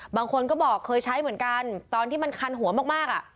บางคนก็บอกเคยใช้เหมือนกันตอนที่มันคันหัวมากอ่ะ